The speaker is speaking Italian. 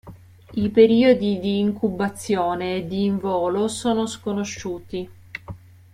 I periodi di incubazione e di involo sono sconosciuti.